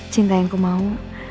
cinta yang ku mau